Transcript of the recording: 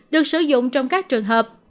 được sử dụng trong các trường hợp